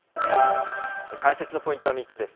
解説のポイントは３つです。